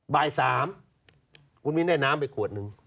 บ่าย๓คุณมิ้นได้น้ำไปขวดหนึ่ง